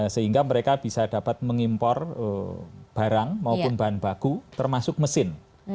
sehingga mereka bisa dapat mengimpor barang maupun bahan baku termasuk mesin